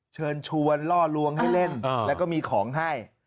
เชิญชวนล่อลวงให้เล่นแล้วก็มีของให้